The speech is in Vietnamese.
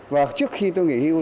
và trước khi tôi nghỉ hưu